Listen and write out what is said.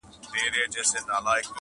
هغه بل وویل شنو ونو څه جفا کړې وه؟٫